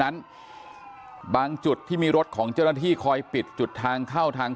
นั้นบางจุดที่มีรถของเจ้าหน้าที่คอยปิดจุดทางเข้าทาง